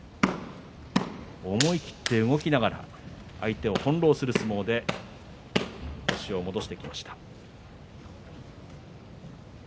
思い切って動きながら相手を翻弄する相撲で星を戻してきました。